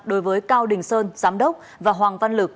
đối với cao đình sơn giám đốc và hoàng văn lực